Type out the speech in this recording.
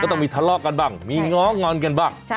ต้องมีทะเลาะกันบ้างมีง้องอนกันบ้าง